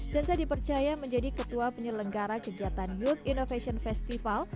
zenza dipercaya menjadi ketua penyelenggara kegiatan youth innovation festival